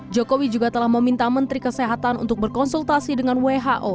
jokowi juga telah meminta menteri kesehatan untuk berkonsultasi dengan who